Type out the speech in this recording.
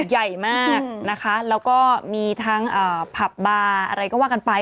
ใหญ่มากนะคะแล้วก็มีทั้งผับบาร์อะไรก็ว่ากันไป